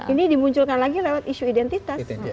ini dimunculkan lagi lewat isu identitas